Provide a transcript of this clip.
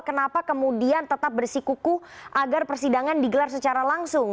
kenapa kemudian tetap bersikuku agar persidangan digelar secara langsung